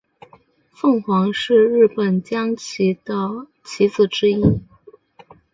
凤凰是日本将棋的棋子之一。